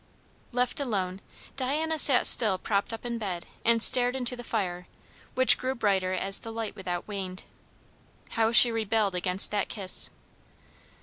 Left alone, Diana sat still propped up in bed and stared into the fire, which grew brighter as the light without waned. How she rebelled against that kiss!